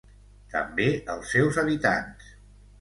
També els seus habitants.